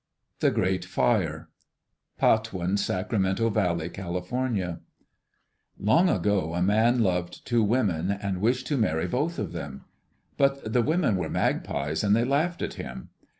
The Great Fire Patwin (Sacramento Valley, Cal.) Long ago a man loved two women and wished to marry both of them. But the women were magpies and they laughed at him.